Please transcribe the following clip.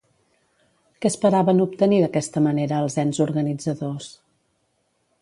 Què esperaven obtenir d'aquesta manera els ens organitzadors?